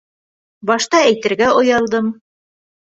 Башта әйтергә оялдым.